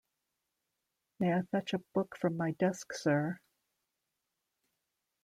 May I fetch a book from my desk, sir?